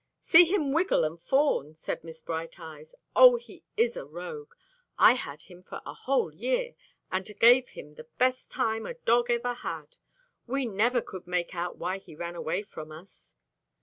"See him wiggle and fawn," said Miss Bright Eyes. "Oh! he is a rogue. I had him for a whole year, and gave him the best time a dog ever had. We never could make out why he ran away from us."